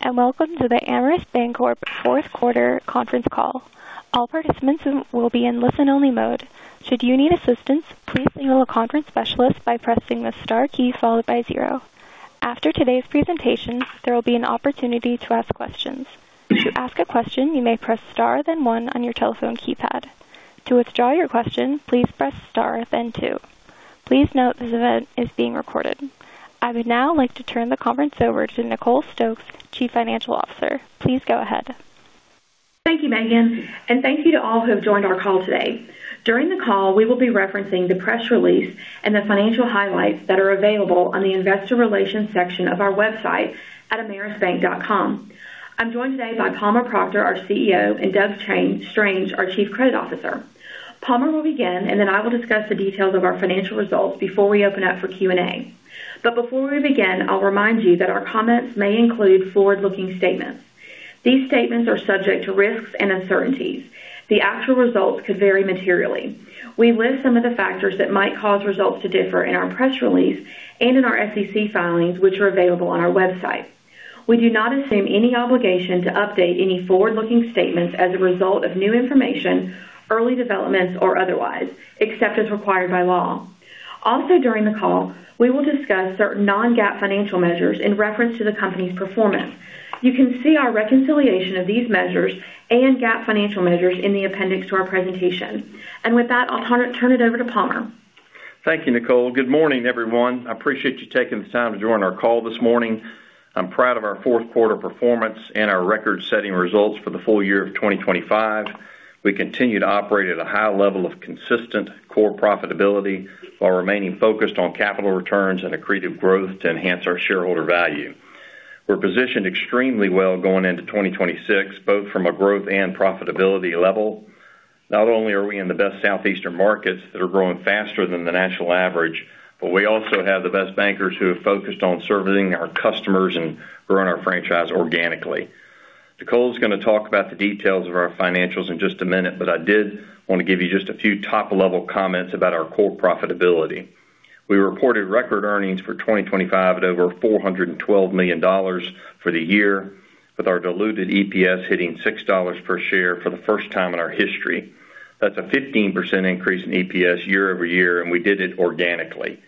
Good day, and welcome to the Ameris Bancorp fourth quarter conference call. All participants will be in listen-only mode. Should you need assistance, please signal a conference specialist by pressing the star key followed by zero. After today's presentation, there will be an opportunity to ask questions. To ask a question, you may press Star, then one on your telephone keypad. To withdraw your question, please press Star, then two. Please note this event is being recorded. I would now like to turn the conference over to Nicole Stokes, Chief Financial Officer. Please go ahead. Thank you, Megan, and thank you to all who have joined our call today. During the call, we will be referencing the press release and the financial highlights that are available on the Investor Relations section of our website at amerisbank.com. I'm joined today by Palmer Proctor, our CEO, and Doug Strange, our Chief Credit Officer. Palmer will begin, and then I will discuss the details of our financial results before we open up for Q&A. But before we begin, I'll remind you that our comments may include forward-looking statements. These statements are subject to risks and uncertainties. The actual results could vary materially. We list some of the factors that might cause results to differ in our press release and in our SEC filings, which are available on our website. We do not assume any obligation to update any forward-looking statements as a result of new information, early developments, or otherwise, except as required by law. Also, during the call, we will discuss certain non-GAAP financial measures in reference to the company's performance. You can see our reconciliation of these measures and GAAP financial measures in the appendix to our presentation. And with that, I'll turn it over to Palmer. Thank you, Nicole. Good morning, everyone. I appreciate you taking the time to join our call this morning. I'm proud of our fourth quarter performance and our record-setting results for the full year of 2025. We continue to operate at a high level of consistent core profitability while remaining focused on capital returns and accretive growth to enhance our shareholder value. We're positioned extremely well going into 2026, both from a growth and profitability level. Not only are we in the best Southeastern markets that are growing faster than the national average, but we also have the best bankers who have focused on serving our customers and growing our franchise organically. Nicole is going to talk about the details of our financials in just a minute, but I did want to give you just a few top-level comments about our core profitability. We reported record earnings for 2025 at over $412 million for the year, with our diluted EPS hitting $6 per share for the first time in our history. That's a 15% increase in EPS year-over-year, and we did it organically.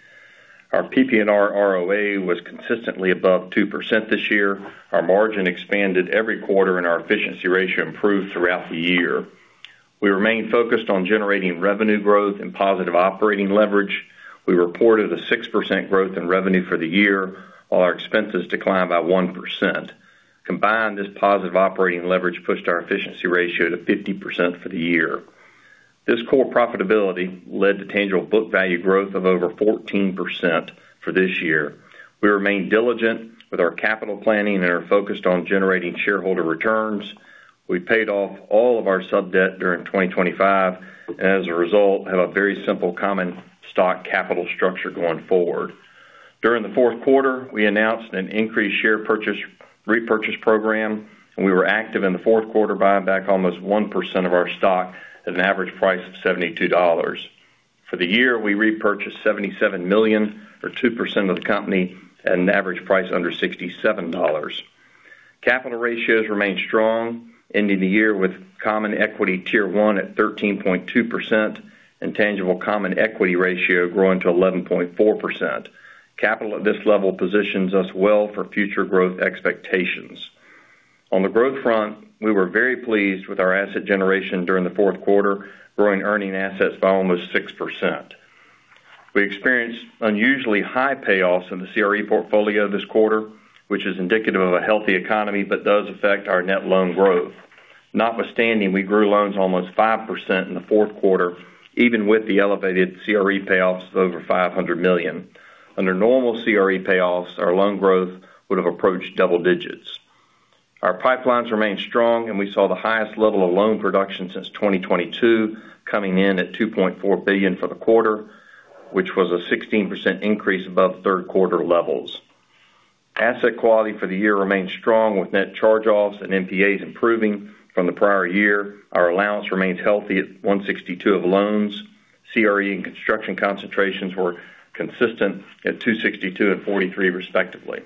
Our PPNR ROA was consistently above 2% this year. Our margin expanded every quarter and our efficiency ratio improved throughout the year. We remain focused on generating revenue growth and positive operating leverage. We reported a 6% growth in revenue for the year, while our expenses declined by 1%. Combined, this positive operating leverage pushed our efficiency ratio to 50% for the year. This core profitability led to tangible book value growth of over 14% for this year. We remain diligent with our capital planning and are focused on generating shareholder returns. We paid off all of our sub-debt during 2025 and as a result, have a very simple common stock capital structure going forward. During the fourth quarter, we announced an increased share repurchase program, and we were active in the fourth quarter, buying back almost 1% of our stock at an average price of $72. For the year, we repurchased $77 million, or 2% of the company, at an average price under $67. Capital ratios remained strong, ending the year with Common Equity Tier 1 at 13.2% and tangible common equity ratio growing to 11.4%. Capital at this level positions us well for future growth expectations. On the growth front, we were very pleased with our asset generation during the fourth quarter, growing earning assets by almost 6%. We experienced unusually high payoffs in the CRE portfolio this quarter, which is indicative of a healthy economy but does affect our net loan growth. Notwithstanding, we grew loans almost 5% in the fourth quarter, even with the elevated CRE payoffs of over $500 million. Under normal CRE payoffs, our loan growth would have approached double digits. Our pipelines remained strong, and we saw the highest level of loan production since 2022, coming in at $2.4 billion for the quarter, which was a 16% increase above third quarter levels. Asset quality for the year remained strong, with net charge-offs and NPAs improving from the prior year. Our allowance remains healthy at 1.62% of loans. CRE and construction concentrations were consistent at 262% and 43%, respectively.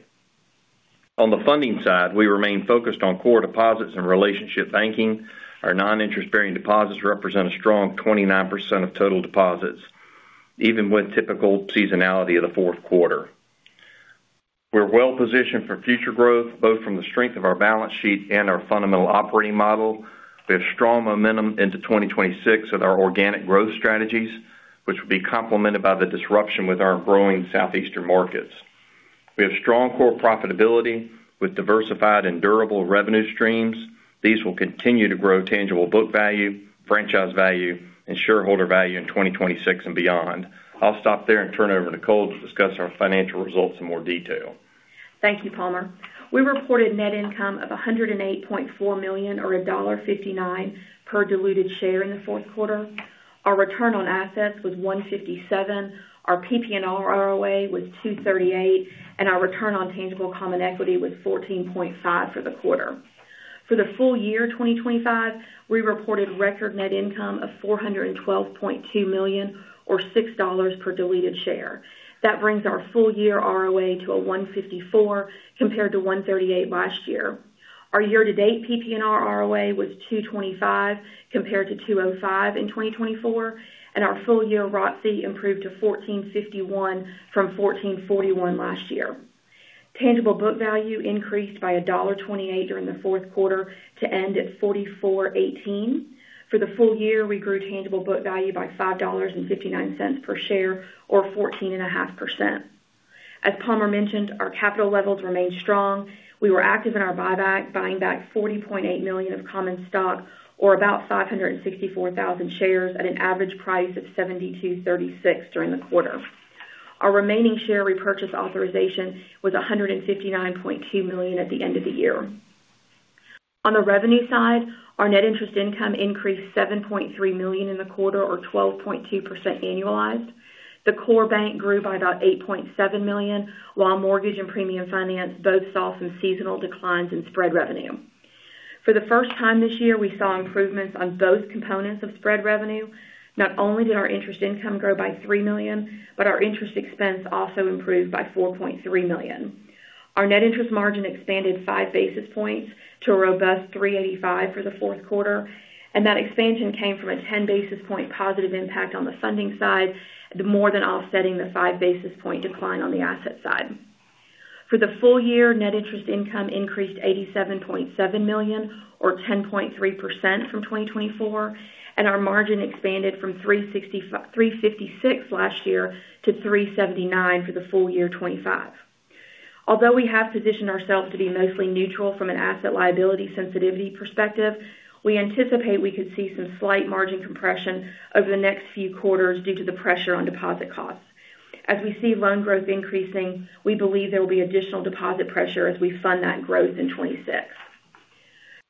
On the funding side, we remain focused on core deposits and relationship banking. Our non-interest bearing deposits represent a strong 29% of total deposits, even with typical seasonality of the fourth quarter. We're well-positioned for future growth, both from the strength of our balance sheet and our fundamental operating model. We have strong momentum into 2026 with our organic growth strategies, which will be complemented by the disruption with our growing Southeastern markets. We have strong core profitability with diversified and durable revenue streams. These will continue to grow tangible book value, franchise value, and shareholder value in 2026 and beyond. I'll stop there and turn over to Nicole to discuss our financial results in more detail. Thank you, Palmer. We reported net income of $108.4 million or $1.59 per diluted share in the fourth quarter. Our return on assets was 1.57%, our PPNR ROA was 2.38%, and our return on tangible common equity was 14.5% for the quarter. For the full year 2025, we reported record net income of $412.2 million or $6 per diluted share. That brings our full year ROA to 1.54% compared to 1.38% last year. Our year-to-date PPNR ROA was 2.25% compared to 2.05% in 2024, and our full year ROTCE improved to 14.51% from 14.41% last year. Tangible book value increased by $1.28 during the fourth quarter to end at $44.18. For the full year, we grew tangible book value by $5.59 per share, or 14.5%. As Palmer mentioned, our capital levels remained strong. We were active in our buyback, buying back $40.8 million of common stock, or about 564,000 shares at an average price of $72.36 during the quarter. Our remaining share repurchase authorization was $159.2 million at the end of the year. On the revenue side, our net interest income increased $7.3 million in the quarter or 12.2% annualized. The core bank grew by about $8.7 million, while mortgage and premium finance both saw some seasonal declines in spread revenue. For the first time this year, we saw improvements on both components of spread revenue. Not only did our interest income grow by $3 million, but our interest expense also improved by $4.3 million. Our net interest margin expanded 5 basis points to a robust 3.85 for the fourth quarter, and that expansion came from a 10 basis point positive impact on the funding side, more than offsetting the 5 basis point decline on the asset side. For the full year, net interest income increased $87.7 million, or 10.3% from 2024, and our margin expanded from 3.56 last year to 3.79 for the full year 2025. Although we have positioned ourselves to be mostly neutral from an asset liability sensitivity perspective, we anticipate we could see some slight margin compression over the next few quarters due to the pressure on deposit costs. As we see loan growth increasing, we believe there will be additional deposit pressure as we fund that growth in 2026.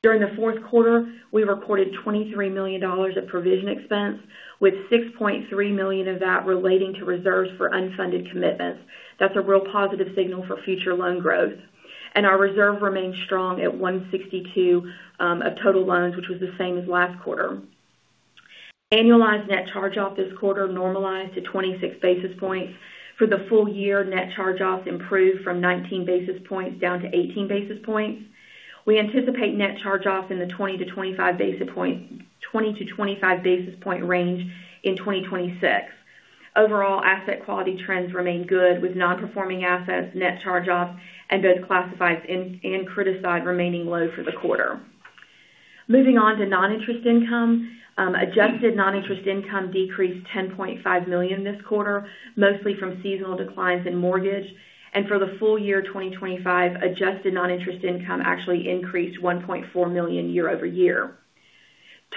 During the fourth quarter, we reported $23 million of provision expense, with $6.3 million of that relating to reserves for unfunded commitments. That's a real positive signal for future loan growth, and our reserve remains strong at 1.62% of total loans, which was the same as last quarter. Annualized net charge-off this quarter normalized to 26 basis points. For the full year, net charge-offs improved from 19 basis points down to 18 basis points. We anticipate net charge-offs in the 20-25 basis points, 20-25 basis points range in 2026. Overall, asset quality trends remain good, with non-performing assets, net charge-offs, and both classifieds and criticized remaining low for the quarter. Moving on to non-interest income. Adjusted non-interest income decreased $10.5 million this quarter, mostly from seasonal declines in mortgage, and for the full year 2025, adjusted non-interest income actually increased $1.4 million year-over-year.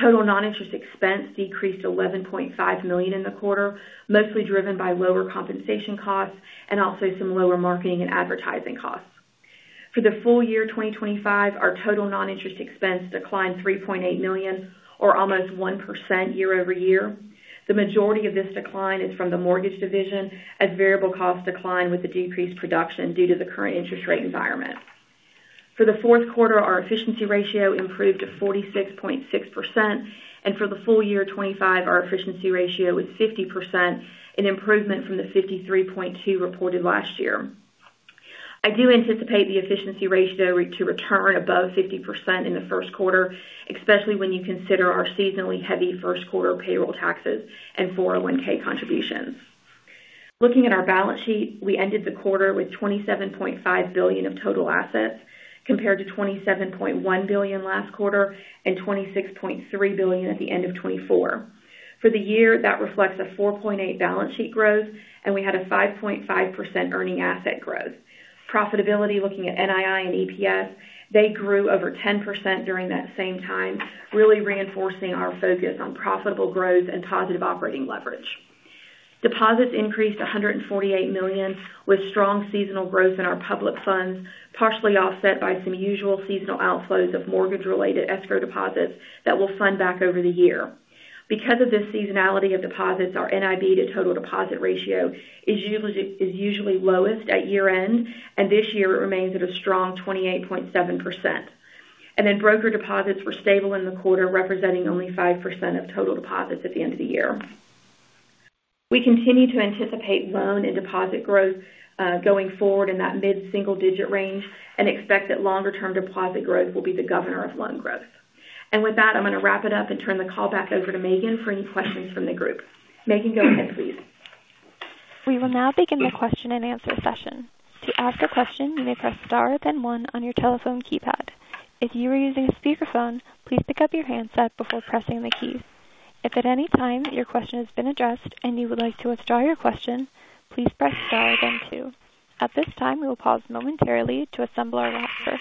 Total non-interest expense decreased $11.5 million in the quarter, mostly driven by lower compensation costs and also some lower marketing and advertising costs. For the full year 2025, our total non-interest expense declined $3.8 million, or almost 1% year-over-year. The majority of this decline is from the mortgage division, as variable costs declined with the decreased production due to the current interest rate environment. For the fourth quarter, our efficiency ratio improved to 46.6%, and for the full year 2025, our efficiency ratio was 50%, an improvement from the 53.2% reported last year. I do anticipate the efficiency ratio to return above 50% in the first quarter, especially when you consider our seasonally heavy first quarter payroll taxes and 401(k) contributions. Looking at our balance sheet, we ended the quarter with $27.5 billion of total assets, compared to $27.1 billion last quarter and $26.3 billion at the end of 2024. For the year, that reflects a 4.8 balance sheet growth, and we had a 5.5% earning asset growth. Profitability, looking at NII and EPS, they grew over 10% during that same time, really reinforcing our focus on profitable growth and positive operating leverage. Deposits increased $148 million, with strong seasonal growth in our public funds, partially offset by some usual seasonal outflows of mortgage-related escrow deposits that will fund back over the year. Because of the seasonality of deposits, our NIB to total deposit ratio is usually, is usually lowest at year-end, and this year it remains at a strong 28.7%. And then broker deposits were stable in the quarter, representing only 5% of total deposits at the end of the year. We continue to anticipate loan and deposit growth, going forward in that mid-single digit range and expect that longer-term deposit growth will be the governor of loan growth. And with that, I'm going to wrap it up and turn the call back over to Megan for any questions from the group. Megan, go ahead, please. We will now begin the question and answer session. To ask a question, you may press Star, then one on your telephone keypad. If you are using a speakerphone, please pick up your handset before pressing the key. If at any time your question has been addressed and you would like to withdraw your question, please press Star then two. At this time, we will pause momentarily to assemble our operators.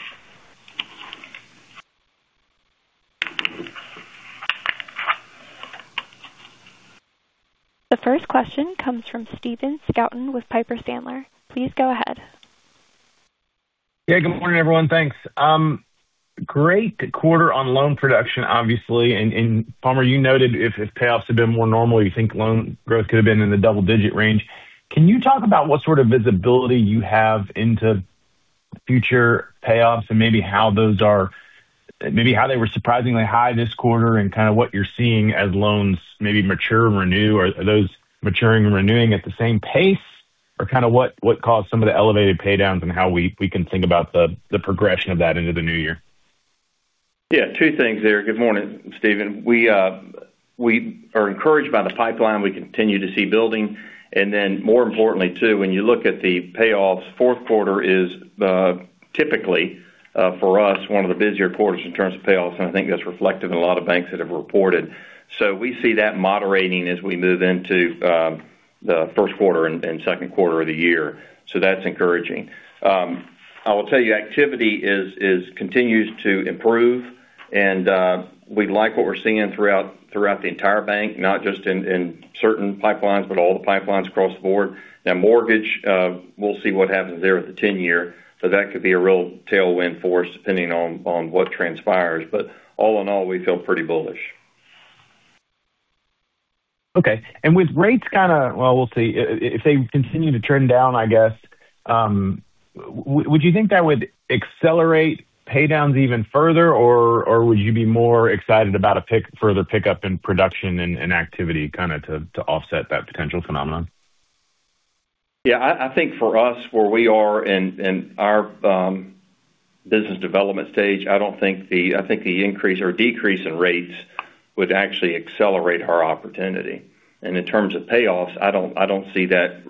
The first question comes from Stephen Scouten with Piper Sandler. Please go ahead. Yeah, good morning, everyone. Thanks. Great quarter on loan production, obviously, and Palmer, you noted if payoffs had been more normal, you think loan growth could have been in the double-digit range? Can you talk about what sort of visibility you have into future payoffs and maybe how those are, maybe how they were surprisingly high this quarter and kind of what you're seeing as loans maybe mature and renew, or are those maturing and renewing at the same pace? Or kind of what caused some of the elevated pay downs and how we can think about the progression of that into the new year? Yeah, two things there. Good morning, Steven. We, we are encouraged by the pipeline we continue to see building. And then more importantly, too, when you look at the payoffs, fourth quarter is, typically, for us, one of the busier quarters in terms of payoffs, and I think that's reflected in a lot of banks that have reported. So we see that moderating as we move into, the first quarter and, second quarter of the year. So that's encouraging. I will tell you, activity continues to improve, and, we like what we're seeing throughout, the entire bank, not just in certain pipelines, but all the pipelines across the board. Now, mortgage, we'll see what happens there with the 10-year, so that could be a real tailwind for us, depending on what transpires. But all in all, we feel pretty bullish. Okay. And with rates kind of... Well, we'll see. If they continue to trend down, I guess, would you think that would accelerate pay downs even further, or, or would you be more excited about further pickup in production and, and activity, kind of to, to offset that potential phenomenon? Yeah, I think for us, where we are in our business development stage, I think the increase or decrease in rates would actually accelerate our opportunity. And in terms of payoffs, I don't see that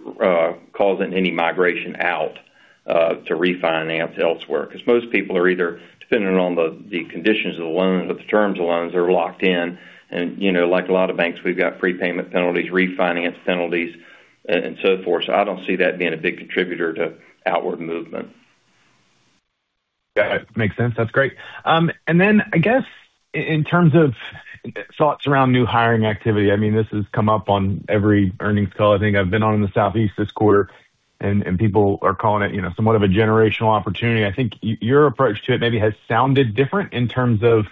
causing any migration out to refinance elsewhere, because most people are either depending on the conditions of the loan or the terms of the loans, are locked in. And, you know, like a lot of banks, we've got prepayment penalties, refinance penalties, and so forth. So I don't see that being a big contributor to outward movement. Got it. Makes sense. That's great. And then, I guess in terms of thoughts around new hiring activity, I mean, this has come up on every earnings call I think I've been on in the Southeast this quarter, and people are calling it, you know, somewhat of a generational opportunity. I think your approach to it maybe has sounded different in terms of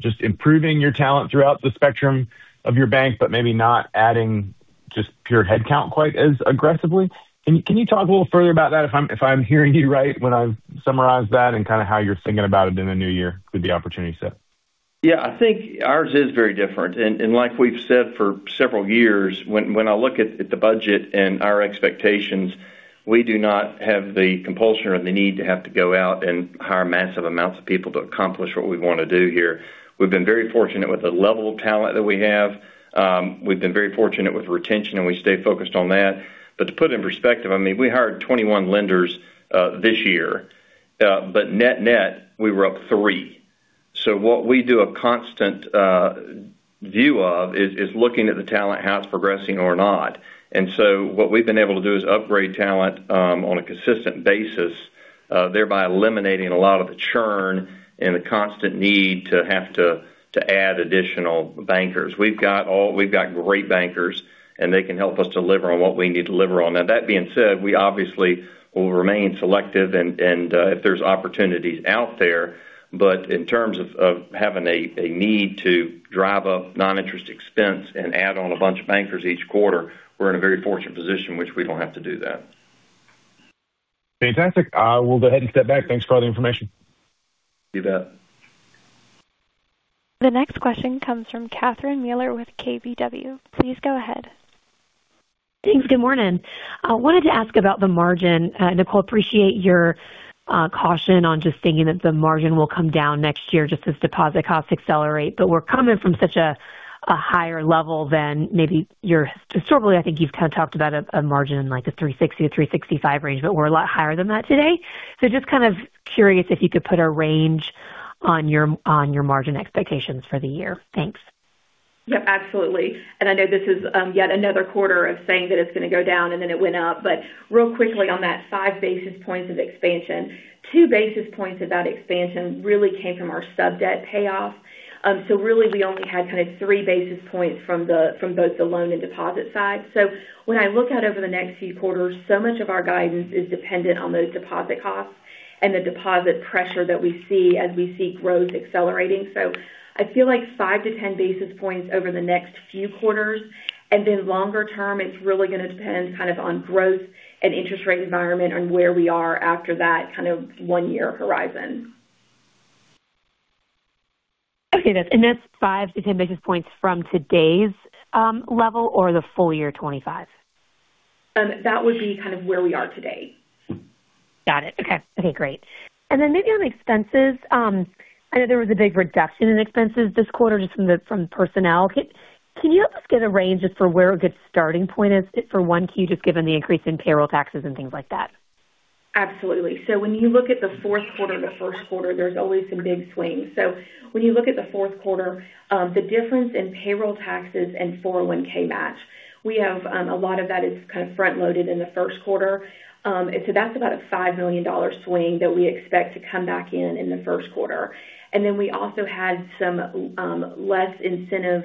just improving your talent throughout the spectrum of your bank, but maybe not adding just pure headcount quite as aggressively. Can you talk a little further about that, if I'm hearing you right when I summarize that and kind of how you're thinking about it in the new year with the opportunity set? Yeah, I think ours is very different. And like we've said for several years, when I look at the budget and our expectations, we do not have the compulsion or the need to have to go out and hire massive amounts of people to accomplish what we want to do here. We've been very fortunate with the level of talent that we have. We've been very fortunate with retention, and we stay focused on that. But to put it in perspective, I mean, we hired 21 lenders this year, but net-net, we were up three. So what we do a constant view of is looking at the talent, how it's progressing or not. And so what we've been able to do is upgrade talent on a consistent basis, thereby eliminating a lot of the churn and the constant need to have to add additional bankers. We've got great bankers, and they can help us deliver on what we need to deliver on. Now, that being said, we obviously will remain selective and if there's opportunities out there, but in terms of having a need to drive up non-interest expense and add on a bunch of bankers each quarter, we're in a very fortunate position in which we don't have to do that. Fantastic. I will go ahead and step back. Thanks for all the information. You bet. The next question comes from Catherine Mealor with KBW. Please go ahead. Thanks. Good morning. I wanted to ask about the margin. Nicole, appreciate your caution on just thinking that the margin will come down next year just as deposit costs accelerate. But we're coming from such a higher level than maybe your historically. I think you've kind of talked about a margin in, like, a 360-365 range, but we're a lot higher than that today. So just kind of curious if you could put a range on your margin expectations for the year. Thanks. Yep, absolutely. And I know this is yet another quarter of saying that it's going to go down and then it went up. But real quickly on that 5 basis points of expansion, 2 basis points of that expansion really came from our sub-debt payoff. So really, we only had kind of 3 basis points from both the loan and deposit side. So when I look out over the next few quarters, so much of our guidance is dependent on those deposit costs and the deposit pressure that we see as we see growth accelerating. So I feel like 5-10 basis points over the next few quarters, and then longer term, it's really going to depend kind of on growth and interest rate environment and where we are after that kind of one-year horizon. Okay, and that's 5-10 basis points from today's level or the full year 2025? That would be kind of where we are today. Got it. Okay. Okay, great. And then maybe on expenses. I know there was a big reduction in expenses this quarter, just from personnel. Can you help us get a range just for where a good starting point is for 1Q, just given the increase in payroll taxes and things like that?... Absolutely. So when you look at the fourth quarter, the first quarter, there's always some big swings. So when you look at the fourth quarter, the difference in payroll taxes and 401(k) match, we have a lot of that is kind of front-loaded in the first quarter. And so that's about a $5 million swing that we expect to come back in the first quarter. And then we also had some less incentive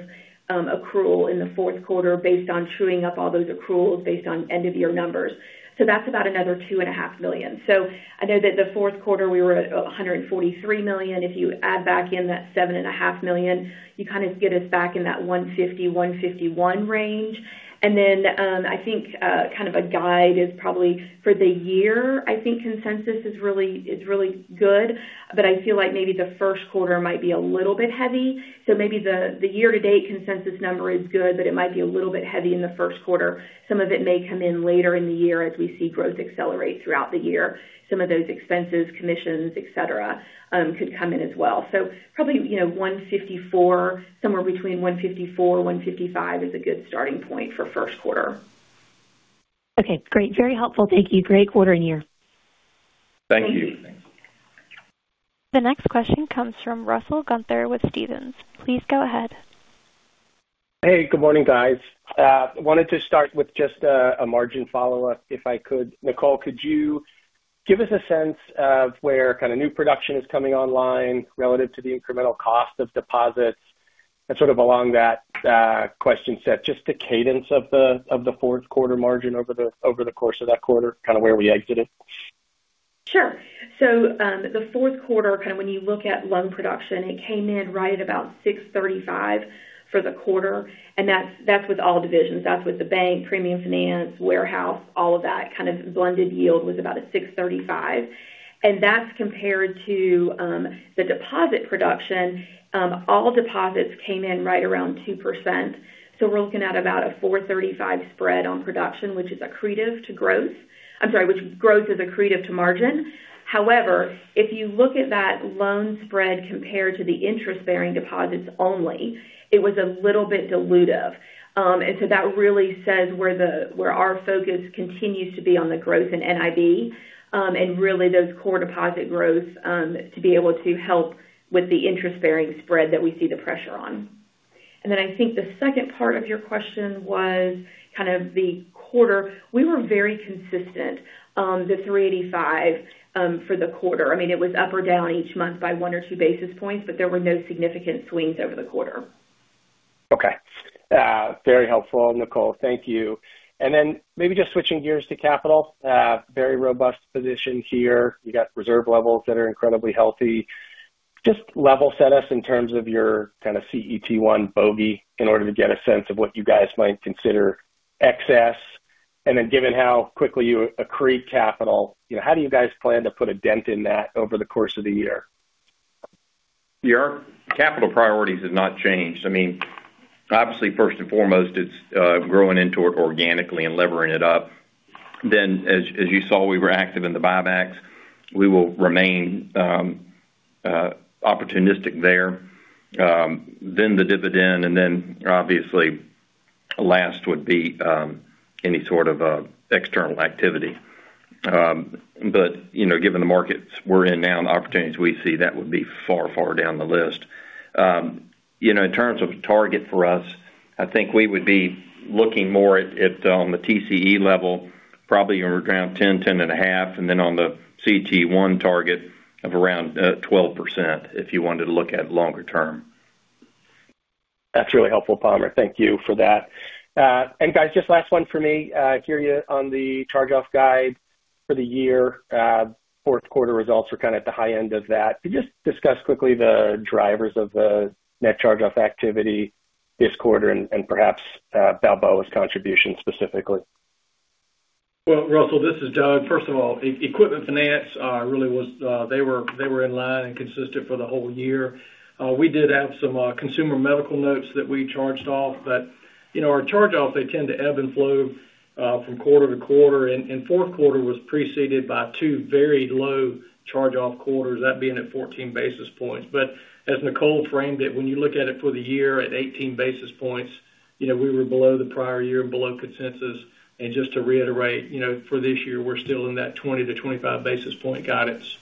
accrual in the fourth quarter based on truing up all those accruals based on end-of-year numbers. So that's about another $2.5 million. So I know that the fourth quarter, we were at $143 million. If you add back in that $7.5 million, you kind of get us back in that $150-$151 range. And then, I think, kind of a guide is probably for the year. I think consensus is really, is really good, but I feel like maybe the first quarter might be a little bit heavy. So maybe the, the year-to-date consensus number is good, but it might be a little bit heavy in the first quarter. Some of it may come in later in the year as we see growth accelerate throughout the year. Some of those expenses, commissions, et cetera, could come in as well. So probably, you know, $1.54, somewhere between $1.54-$1.55 is a good starting point for first quarter. Okay, great. Very helpful. Thank you. Great quarter and year. Thank you. The next question comes from Russell Gunther with Stephens. Please go ahead. Hey, good morning, guys. Wanted to start with just a margin follow-up, if I could. Nicole, could you give us a sense of where kind of new production is coming online relative to the incremental cost of deposits? And sort of along that question set, just the cadence of the fourth quarter margin over the course of that quarter, kind of where we exited? Sure. So, the fourth quarter, kind of when you look at loan production, it came in right at about 6.35 for the quarter, and that's, that's with all divisions. That's with the bank, premium finance, warehouse, all of that kind of blended yield was about a 6.35. And that's compared to the deposit production, all deposits came in right around 2%. So we're looking at about a 4.35 spread on production, which is accretive to growth. I'm sorry, which growth is accretive to margin. However, if you look at that loan spread compared to the interest-bearing deposits only, it was a little bit dilutive. And so that really says where our focus continues to be on the growth in NIB, and really those core deposit growth, to be able to help with the interest-bearing spread that we see the pressure on. And then I think the second part of your question was kind of the quarter. We were very consistent on the 385, for the quarter. I mean, it was up or down each month by 1 or 2 basis points, but there were no significant swings over the quarter. Okay. Very helpful, Nicole. Thank you. And then maybe just switching gears to capital, very robust position here. You got reserve levels that are incredibly healthy. Just level set us in terms of your kind of CET1 bogey in order to get a sense of what you guys might consider excess. And then given how quickly you accrete capital, you know, how do you guys plan to put a dent in that over the course of the year? Yeah, our capital priorities have not changed. I mean, obviously, first and foremost, it's growing into it organically and levering it up. Then, as you saw, we were active in the buybacks. We will remain opportunistic there, then the dividend, and then obviously, last would be any sort of external activity. But you know, given the markets we're in now and the opportunities we see, that would be far, far down the list. You know, in terms of a target for us, I think we would be looking more at the TCE level, probably around 10, 10 and a half, and then on the CET1 target of around 12%, if you wanted to look at longer term. That's really helpful, Palmer. Thank you for that. And guys, just last one for me. Hear you on the charge-off guide for the year. Fourth quarter results are kind of at the high end of that. Could you just discuss quickly the drivers of the net charge-off activity this quarter and perhaps Balboa's contribution specifically? Well, Russell, this is Doug. First of all, equipment finance really was, they were, they were in line and consistent for the whole year. We did have some consumer medical notes that we charged off, but, you know, our charge-offs, they tend to ebb and flow from quarter to quarter, and fourth quarter was preceded by two very low charge-off quarters, that being at 14 basis points. But as Nicole framed it, when you look at it for the year at 18 basis points, you know, we were below the prior year, below consensus. And just to reiterate, you know, for this year, we're still in that 20-25 basis point guidance.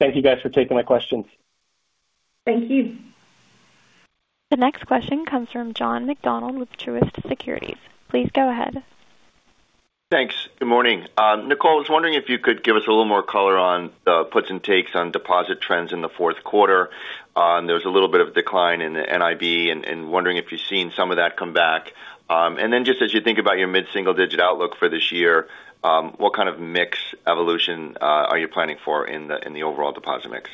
Thank you, guys, for taking my questions. Thank you. The next question comes from John McDonald with Truist Securities. Please go ahead. Thanks. Good morning. Nicole, I was wondering if you could give us a little more color on puts and takes on deposit trends in the fourth quarter. There was a little bit of decline in the NIB and wondering if you've seen some of that come back. And then just as you think about your mid-single-digit outlook for this year, what kind of mix evolution are you planning for in the overall deposit mix?...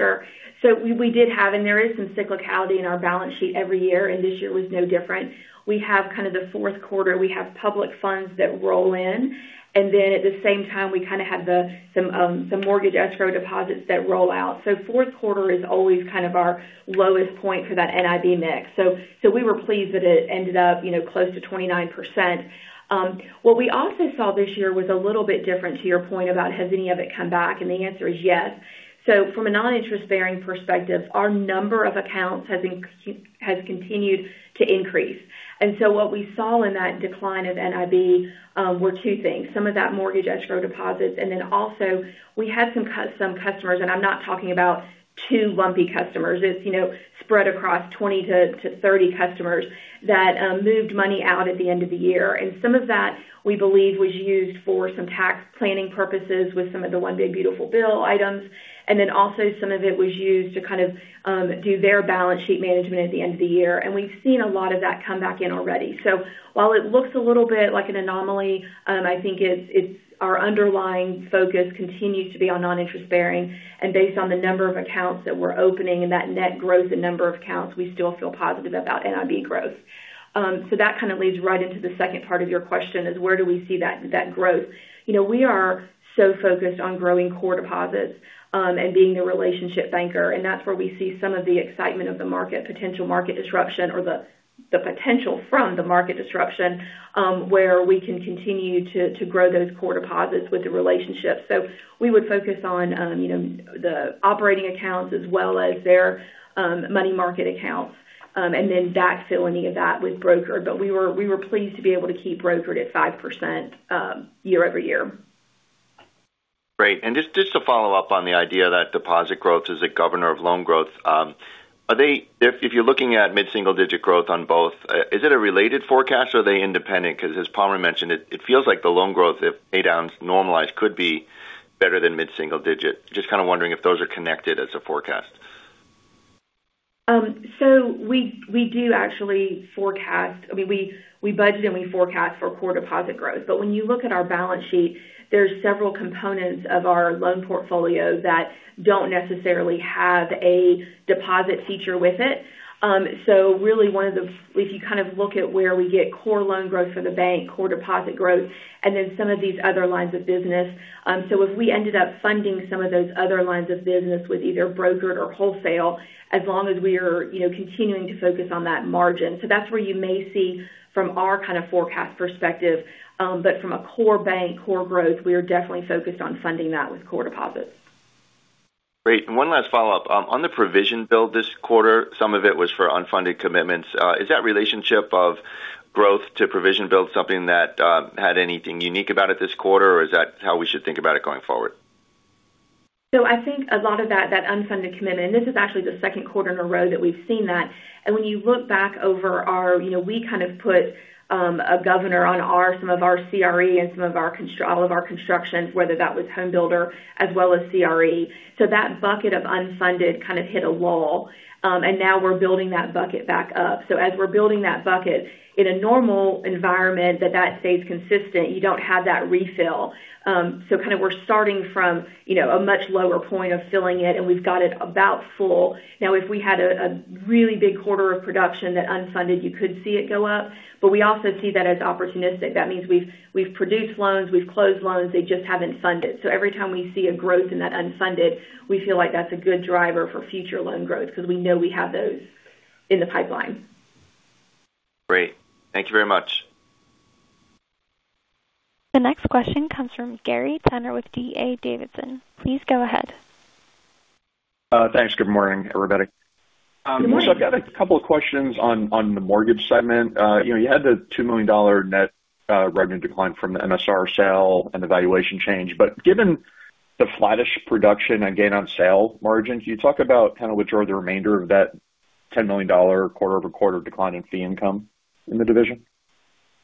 Sure. So we, we did have, and there is some cyclicality in our balance sheet every year, and this year was no different. We have kind of the fourth quarter, we have public funds that roll in, and then at the same time, we kind of have the, some, some mortgage escrow deposits that roll out. So fourth quarter is always kind of our lowest point for that NIB mix. So, so we were pleased that it ended up, you know, close to 29%. What we also saw this year was a little bit different to your point about has any of it come back? And the answer is yes. So from a non-interest bearing perspective, our number of accounts has continued to increase. And so what we saw in that decline of NIB were two things: some of that mortgage escrow deposits, and then also we had some customers, and I'm not talking about two lumpy customers. It's, you know, spread across 20-30 customers that moved money out at the end of the year. And some of that, we believe, was used for some tax planning purposes with some of the one big beautiful bill items. And then also some of it was used to kind of do their balance sheet management at the end of the year. And we've seen a lot of that come back in already. So while it looks a little bit like an anomaly, I think it's our underlying focus continues to be on non-interest bearing, and based on the number of accounts that we're opening and that net growth in number of accounts, we still feel positive about NIB growth. So that kind of leads right into the second part of your question, is where do we see that growth? You know, we are so focused on growing core deposits, and being the relationship banker, and that's where we see some of the excitement of the market, potential market disruption or the potential from the market disruption, where we can continue to grow those core deposits with the relationships. So we would focus on, you know, the operating accounts as well as their money market accounts, and then backfill any of that with brokered. But we were pleased to be able to keep brokered at 5%, year-over-year. Great. Just to follow up on the idea that deposit growth is a governor of loan growth, are they—if you're looking at mid-single-digit growth on both—is it a related forecast or are they independent? Because as Palmer mentioned, it feels like the loan growth, if pay downs normalize, could be better than mid-single-digit. Just kind of wondering if those are connected as a forecast. So we do actually forecast. I mean, we budget and we forecast for core deposit growth. But when you look at our balance sheet, there's several components of our loan portfolio that don't necessarily have a deposit feature with it. So really, one of the if you kind of look at where we get core loan growth for the bank, core deposit growth, and then some of these other lines of business. So if we ended up funding some of those other lines of business with either brokered or wholesale, as long as we are, you know, continuing to focus on that margin. So that's where you may see from our kind of forecast perspective, but from a core bank, core growth, we are definitely focused on funding that with core deposits. Great. One last follow-up. On the provision build this quarter, some of it was for unfunded commitments. Is that relationship of growth to provision build something that had anything unique about it this quarter, or is that how we should think about it going forward? So I think a lot of that, that unfunded commitment, and this is actually the second quarter in a row that we've seen that. And when you look back over our, you know, we kind of put a governor on some of our CRE and all of our construction, whether that was home builder as well as CRE. So that bucket of unfunded kind of hit a wall, and now we're building that bucket back up. So as we're building that bucket, in a normal environment that that stays consistent, you don't have that refill. So kind of we're starting from, you know, a much lower point of filling it, and we've got it about full. Now, if we had a really big quarter of production, that unfunded, you could see it go up, but we also see that as opportunistic. That means we've produced loans, we've closed loans, they just haven't funded. So every time we see a growth in that unfunded, we feel like that's a good driver for future loan growth because we know we have those in the pipeline. Great. Thank you very much. The next question comes from Gary Tenner with D.A. Davidson. Please go ahead. Thanks. Good morning, everybody. Good morning. I've got a couple of questions on the mortgage segment. You know, you had the $2 million net revenue decline from the MSR sale and the valuation change. But given the flattish production and gain on sale margins, can you talk about kind of what drove the remainder of that $10 million quarter-over-quarter decline in fee income in the division?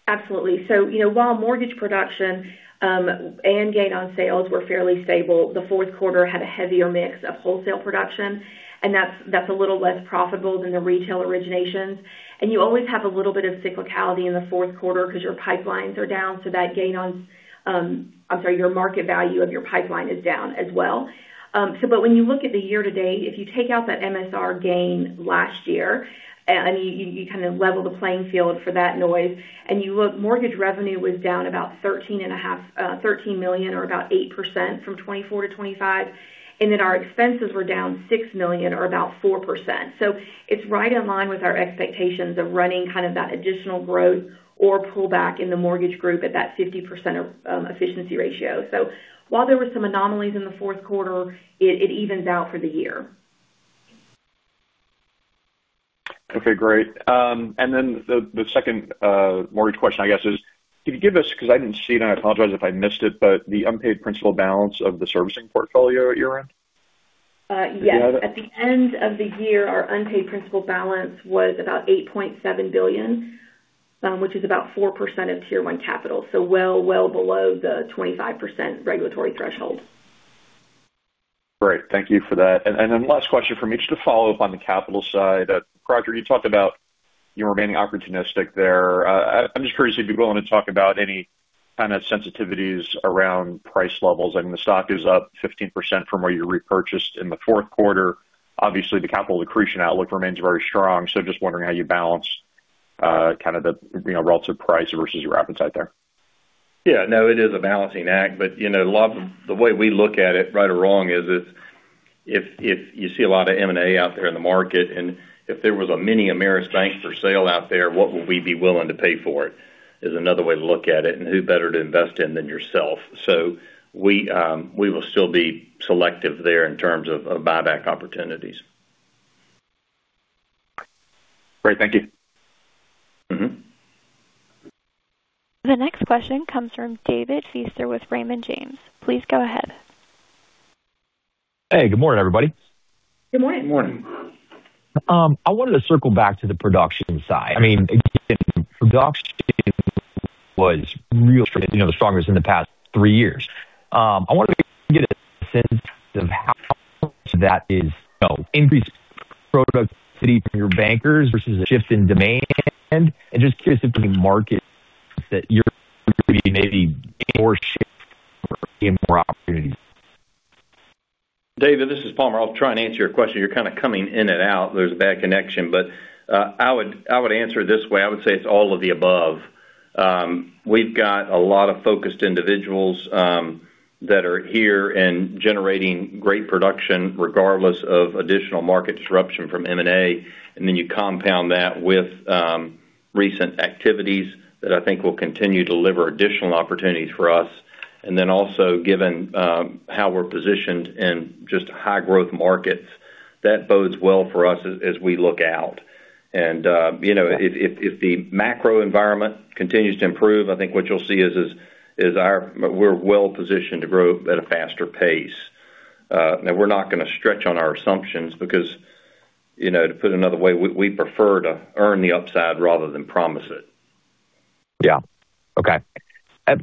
Absolutely. So, you know, while mortgage production and gain on sales were fairly stable, the fourth quarter had a heavier mix of wholesale production, and that's a little less profitable than the retail originations. And you always have a little bit of cyclicality in the fourth quarter because your pipelines are down, so that gain on, I'm sorry, your market value of your pipeline is down as well. So but when you look at the year to date, if you take out that MSR gain last year, and you kind of level the playing field for that noise, and you look, mortgage revenue was down about $13 million or about 8% from 2024 to 2025, and then our expenses were down $6 million or about 4%. So it's right in line with our expectations of running kind of that additional growth or pullback in the mortgage group at that 50%, efficiency ratio. So while there were some anomalies in the fourth quarter, it evens out for the year. Okay, great. And then the second mortgage question, I guess, is, can you give us, because I didn't see it, and I apologize if I missed it, but the unpaid principal balance of the servicing portfolio year-end? Uh, yes. Do you have it? At the end of the year, our unpaid principal balance was about $8.7 billion, which is about 4% of Tier 1 capital, so well, well below the 25% regulatory threshold. Great. Thank you for that. And then last question from me, just to follow up on the capital side. Palmer, you talked about-... you're remaining opportunistic there. I'm just curious if you'd be willing to talk about any kind of sensitivities around price levels. I mean, the stock is up 15% from where you repurchased in the fourth quarter. Obviously, the capital accretion outlook remains very strong. So just wondering how you balance, kind of the, you know, relative price versus your appetite there. Yeah, no, it is a balancing act, but, you know, a lot, the way we look at it, right or wrong, is if you see a lot of M&A out there in the market, and if there was a mini Ameris Bank for sale out there, what would we be willing to pay for it? Is another way to look at it, and who better to invest in than yourself. So we will still be selective there in terms of buyback opportunities. Great. Thank you. Mm-hmm. The next question comes from David Feaster with Raymond James. Please go ahead. Hey, good morning, everybody. Good morning. Good morning. I wanted to circle back to the production side. I mean, again, production was really, you know, the strongest in the past three years. I wanted to get a sense of how much that is, you know, increased productivity from your bankers versus a shift in demand. And just curious if the market that you're maybe more shift, more opportunities. David, this is Palmer. I'll try and answer your question. You're kind of coming in and out. There's a bad connection, but I would answer it this way: I would say it's all of the above. We've got a lot of focused individuals that are here and generating great production regardless of additional market disruption from M&A, and then you compound that with recent activities that I think will continue to deliver additional opportunities for us. And then also, given how we're positioned in just high-growth markets, that bodes well for us as we look out. And you know, if the macro environment continues to improve, I think what you'll see is our-- we're well positioned to grow at a faster pace. Now we're not going to stretch on our assumptions because, you know, to put it another way, we prefer to earn the upside rather than promise it. Yeah. Okay.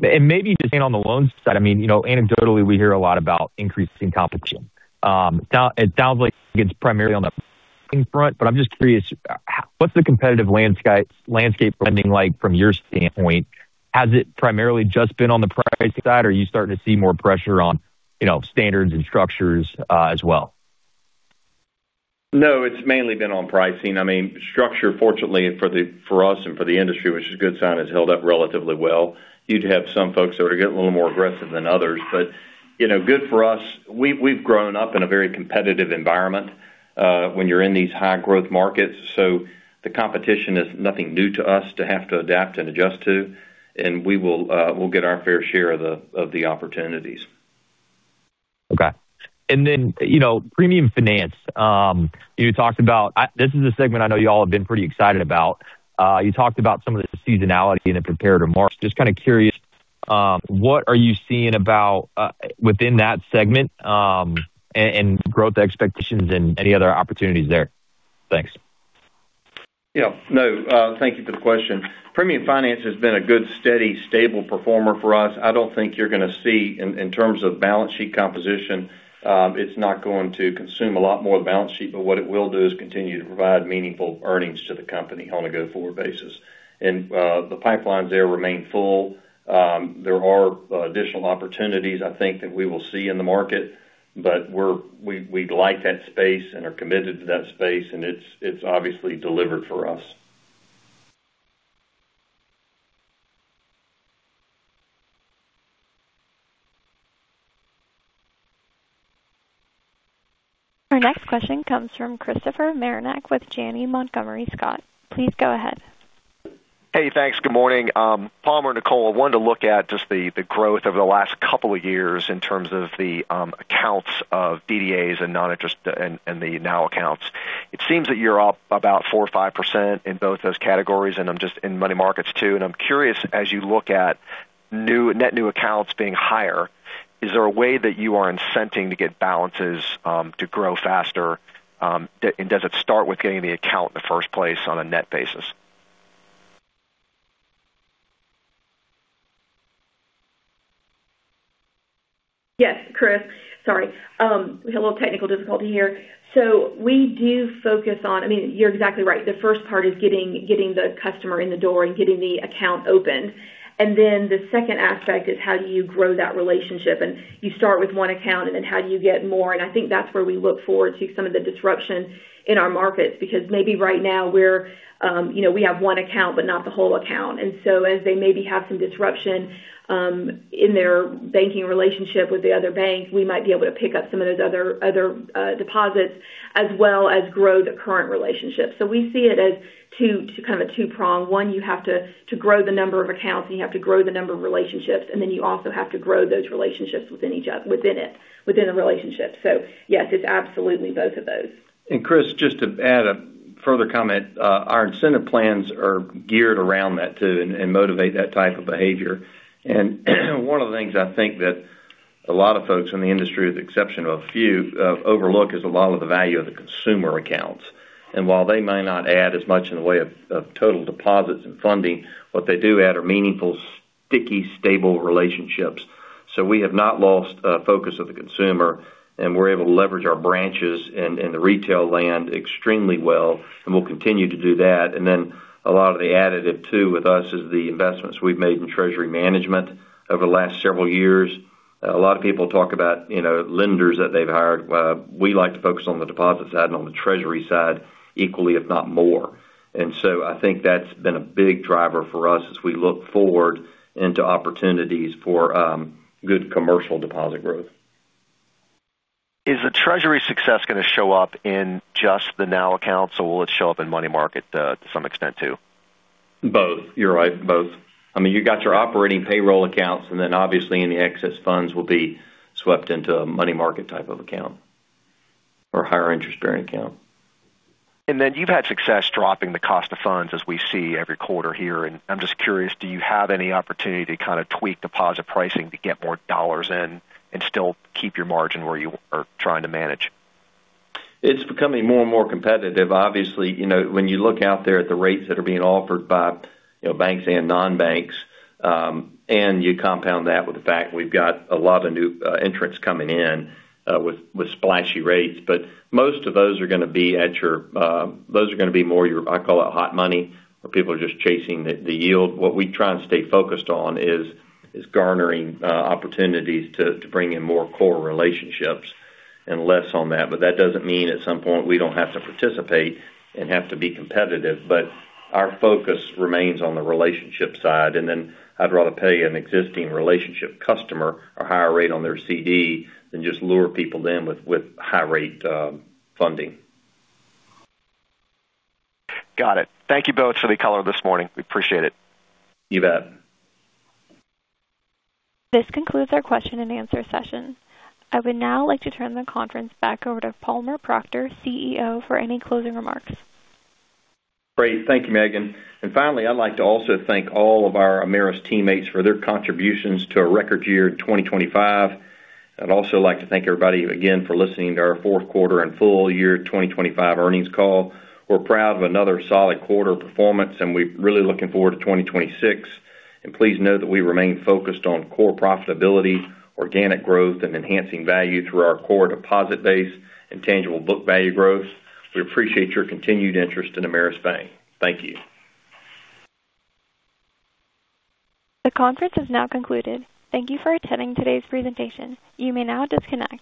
And maybe just on the loans side, I mean, you know, anecdotally, we hear a lot about increasing competition. It sounds like it's primarily on the front, but I'm just curious, what's the competitive landscape lending like from your standpoint? Has it primarily just been on the pricing side, or are you starting to see more pressure on, you know, standards and structures, as well? No, it's mainly been on pricing. I mean, structure, fortunately for us and for the industry, which is a good sign, has held up relatively well. You'd have some folks that are getting a little more aggressive than others, but, you know, good for us. We've grown up in a very competitive environment when you're in these high-growth markets, so the competition is nothing new to us to have to adapt and adjust to, and we will, we'll get our fair share of the opportunities. Okay. And then, you know, premium finance, you talked about... This is a segment I know you all have been pretty excited about. You talked about some of the seasonality in it compared to March. Just kind of curious, what are you seeing about, within that segment, and growth expectations and any other opportunities there? Thanks. Yeah. No, thank you for the question. Premium finance has been a good, steady, stable performer for us. I don't think you're going to see in terms of balance sheet composition, it's not going to consume a lot more of the balance sheet, but what it will do is continue to provide meaningful earnings to the company on a go-forward basis. And, the pipelines there remain full. There are additional opportunities I think that we will see in the market, but we like that space and are committed to that space, and it's obviously delivered for us. Our next question comes from Christopher Marinac with Janney Montgomery Scott. Please go ahead. Hey, thanks. Good morning. Palmer, Nicole, I wanted to look at just the growth over the last couple of years in terms of the accounts of DDAs and non-interest and the NOW accounts. It seems that you're up about 4%-5% in both those categories, and I'm just in money markets, too. And I'm curious, as you look at net new accounts being higher, is there a way that you are incenting to get balances to grow faster? And does it start with getting the account in the first place on a net basis? Yes, Chris. Sorry. We had a little technical difficulty here. So we do focus on, I mean, you're exactly right. The first part is getting the customer in the door and getting the account opened. And then the second aspect is, how do you grow that relationship? And you start with one account, and then how do you get more? And I think that's where we look forward to some of the disruption in our markets, because maybe right now we're, you know, we have one account, but not the whole account. And so as they maybe have some disruption in their banking relationship with the other banks, we might be able to pick up some of those other, other, deposits as well as grow the current relationship. So we see it as two, kind of a two-prong. One, you have to, to grow the number of accounts, and you have to grow the number of relationships, and then you also have to grow those relationships within each other, within it, within the relationship. So yes, it's absolutely both of those. And, Chris, just to add a further comment, our incentive plans are geared around that, too, and motivate that type of behavior. And one of the things I think that a lot of folks in the industry, with the exception of a few, overlook, is a lot of the value of the consumer accounts. And while they may not add as much in the way of total deposits and funding, what they do add are meaningful, sticky, stable relationships. So we have not lost focus of the consumer, and we're able to leverage our branches in the retail land extremely well, and we'll continue to do that. And then a lot of the additive, too, with us, is the investments we've made in treasury management over the last several years. A lot of people talk about, you know, lenders that they've hired. We like to focus on the deposit side and on the treasury side equally, if not more. I think that's been a big driver for us as we look forward into opportunities for good commercial deposit growth. Is the treasury success gonna show up in just the NOW accounts, or will it show up in money market, to some extent, too? Both. You're right, both. I mean, you've got your operating payroll accounts, and then, obviously, any excess funds will be swept into a money market type of account or higher interest-bearing account. And then you've had success dropping the cost of funds as we see every quarter here. And I'm just curious, do you have any opportunity to kind of tweak deposit pricing to get more dollars in and still keep your margin where you are trying to manage? It's becoming more and more competitive. Obviously, you know, when you look out there at the rates that are being offered by, you know, banks and non-banks, and you compound that with the fact that we've got a lot of new entrants coming in with splashy rates. But most of those are gonna be at your... Those are gonna be more your, I call it, hot money, where people are just chasing the yield. What we try and stay focused on is garnering opportunities to bring in more core relationships and less on that. But that doesn't mean at some point we don't have to participate and have to be competitive, but our focus remains on the relationship side. And then I'd rather pay an existing relationship customer a higher rate on their CD than just lure people in with high-rate funding. Got it. Thank you both for the color this morning. We appreciate it. You bet. This concludes our question-and-answer session. I would now like to turn the conference back over to Palmer Proctor, CEO, for any closing remarks. Great. Thank you, Megan. Finally, I'd like to also thank all of our Ameris teammates for their contributions to a record year in 2025. I'd also like to thank everybody again for listening to our fourth quarter and full year 2025 earnings call. We're proud of another solid quarter of performance, and we're really looking forward to 2026. Please note that we remain focused on core profitability, organic growth, and enhancing value through our core deposit base and tangible book value growth. We appreciate your continued interest in Ameris Bank. Thank you. The conference has now concluded. Thank you for attending today's presentation. You may now disconnect.